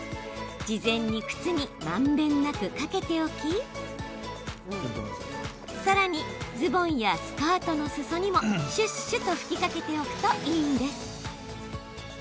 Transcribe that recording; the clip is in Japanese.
事前に、靴にまんべんなくかけておきさらに、ズボンやスカートのすそにもしゅっしゅっと吹きかけておくといいんです。